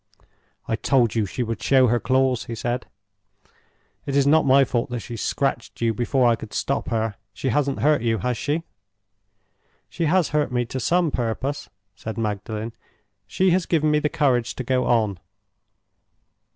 "I told you she would show her claws," he said. "It is not my fault that she scratched you before I could stop her. She hasn't hurt you, has she?" "She has hurt me, to some purpose," said Magdalen—"she has given me the courage to go on.